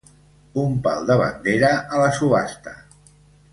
Un pal de bandera a la subhasta.